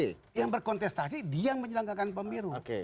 iya yang berkontestasi dia yang menyelenggarkan pemilu